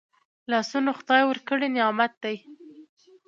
لاسونه خدای ورکړي نعمت دی